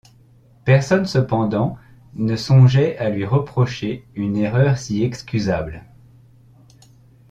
Personne, cependant, ne songeait à lui reprocher une erreur si excusable.